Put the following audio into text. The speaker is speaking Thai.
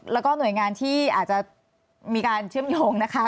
แล้วก็หน่วยงานที่อาจจะมีการเชื่อมโยงนะคะ